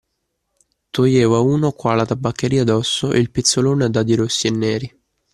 Toglievo a uno qua la tabacchiera d'osso e il pezzolone a dadi rossi e neri